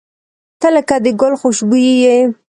• ته لکه د ګل خوشبويي یې.